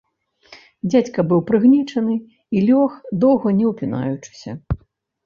Дзядзька быў прыгнечаны і лёг, доўга не ўпінаючыся.